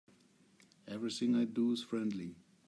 Everything I do is friendly.